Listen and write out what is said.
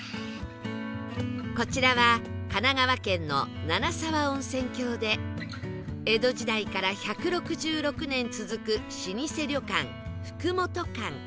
こちらは神奈川県の七沢温泉郷で江戸時代から１６６年続く老舗旅館福元館